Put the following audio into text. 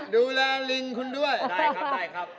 ดูแลลิงคุณด้วยแบบนี้ครับ